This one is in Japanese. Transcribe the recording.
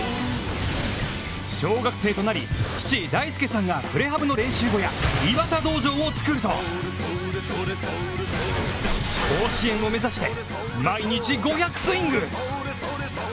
小学生となり、父・大祐さんがプレハブの練習小屋「岩田道場」を作ると甲子園を目指して毎日５００スイング！